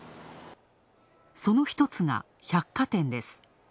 その一つが、百貨店です。